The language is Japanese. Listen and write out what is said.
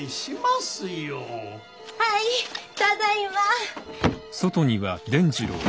はいただいま。